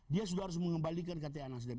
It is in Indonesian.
dia sudah harus mengembalikan kta nasdem